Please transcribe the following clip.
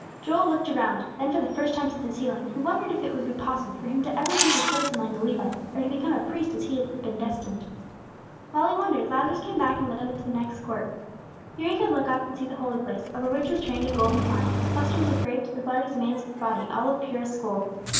Joel looked around. Then for the first time since his healing, he wondered if it would be possible for him to ever take his place among the Levites, or become a priest as he had been destined. While he wondered, Lazarus came back and led him into the next court. Here he could look up and see the Holy Place, over which was trained a golden vine, with clusters of grapes as large as a man's body, all of purest gold.